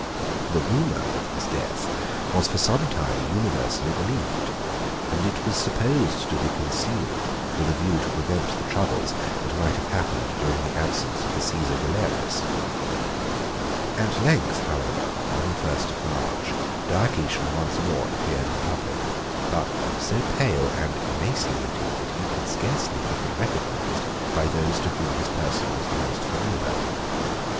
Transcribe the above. The rumor of his death was for some time universally believed, and it was supposed to be concealed with a view to prevent the troubles that might have happened during the absence of the Cæsar Galerius. At length, however, on the first of March, Diocletian once more appeared in public, but so pale and emaciated, that he could scarcely have been recognized by those to whom his person was the most familiar.